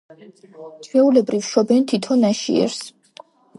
ჩვეულებრივ შობენ თითო ნაშიერს